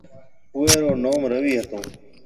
اُوئي رو نوم رويِ ھتو۔